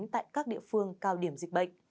tại các địa phương cao điểm dịch bệnh